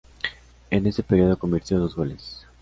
En ese período convirtió dos goles.